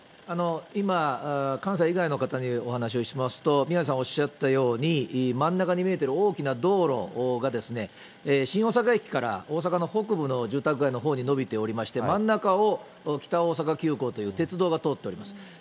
今、関西以外の方にお話をしますと、宮根さんおっしゃったように、真ん中に見えている大きな道路がですね、新大阪駅から大阪の北部の住宅街のほうに延びておりまして、真ん中を北大阪急行という鉄道が通っております。